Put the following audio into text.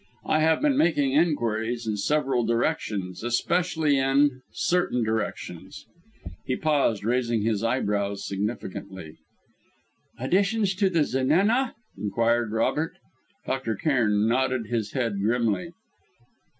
I have been making inquiries in several directions, especially in certain directions " He paused, raising his eyebrows, significantly. "Additions to the Zenana!" inquired Robert. Dr. Cairn nodded his head grimly.